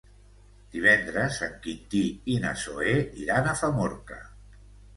Divendres en Quintí i na Zoè iran a Famorca.